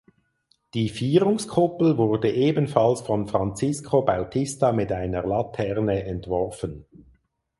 Die Vierungskuppel wurde ebenfalls von Francisco Bautista mit einer Laterne entworfen.